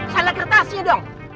salah kertasnya dong